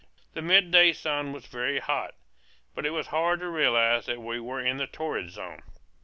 The midday sun was very hot; but it was hard to realize that we were in the torrid zone.